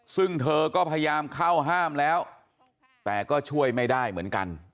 ซึ่งเธอก็พยายามเข้าห้ามแล้วแต่ก็ช่วยไม่ได้เหมือนกัน